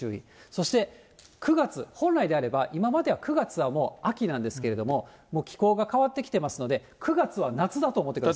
そして９月、本来であれば今までは９月はもう秋なんですけれども、気候が変わってきてますので、９月は夏だと思ってください。